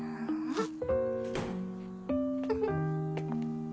あっ。